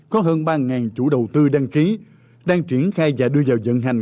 có hơn ba chủ đầu tư đăng ký đang triển khai và đưa vào dẫn hành